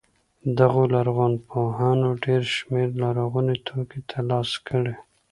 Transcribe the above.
دغو لرغونپوهانو ډېر شمېر لرغوني توکي تر لاسه کړي.